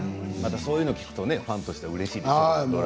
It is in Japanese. そういうのを聞くとファンとしてもうれしいですね。